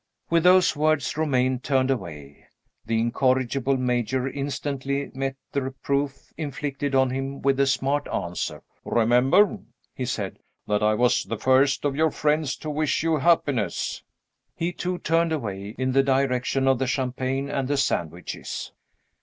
With those words Romayne turned away. The incorrigible Major instantly met the reproof inflicted on him with a smart answer. "Remember," he said, "that I was the first of your friends to wish you happiness!" He, too, turned away in the direction of the champagne and the sandwiches.